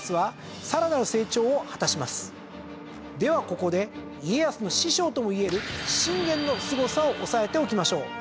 ではここで家康の師匠とも言える信玄のすごさを押さえておきましょう。